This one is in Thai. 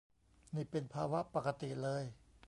นี่เป็นภาวะปกติเลย